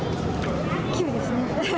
９ですね。